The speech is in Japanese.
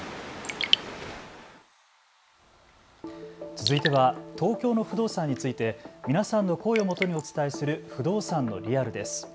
続いては東京の不動産について皆さんの声をもとにお伝えする不動産のリアルです。